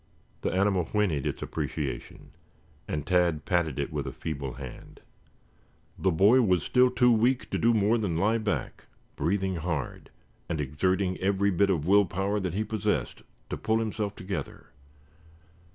The animal whinnied its appreciation, and Tad patted it with a feeble hand. The boy was still too weak to do more than lie back, breathing hard, and exerting every bit of will power that he possessed to pull himself together.